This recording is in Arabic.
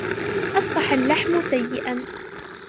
أصبح اللحم سيئا.